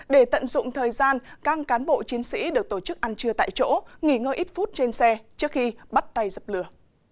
để tận dụng thời gian các cán bộ chiến sĩ được tổ chức ăn trưa tại chỗ nghỉ ngơi ít phút trên xe trước khi bắt tay dập lửa